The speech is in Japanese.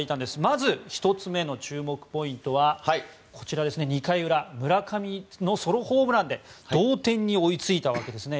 まず１つ目の注目ポイントは２回裏、村上のソロホームランで同点に追いついたわけですね。